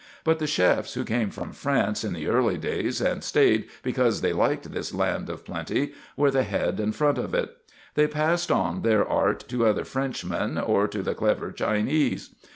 But the chefs who came from France in the early days and stayed because they liked this land of plenty were the head and front of it. They passed on their art to other Frenchmen or to the clever Chinese.